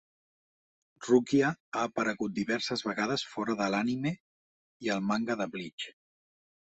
Rukia ha aparegut diverses vegades fora de l'anime i el manga de 'Bleach'.